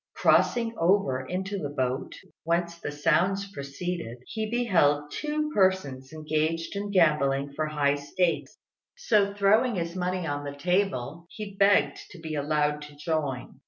Crossing over into the boat whence the sounds proceeded, he beheld two persons engaged in gambling for high stakes; so throwing his money on the table, he begged to be allowed to join.